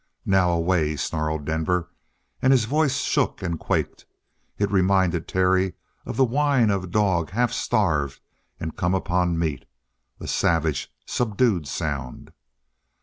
"Now away!" snarled Denver. And his voice shook and quaked; it reminded Terry of the whine of a dog half starved and come upon meat a savage, subdued sound.